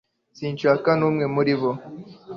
sinshaka n'umwe muri bo